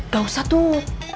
gak usah tuh